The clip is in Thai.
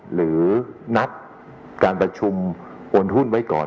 หรือนัดการประชุมโอนหุ้นไว้ก่อน